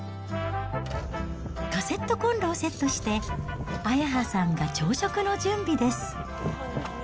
カセットコンロをセットして、あやはさんが朝食の準備です。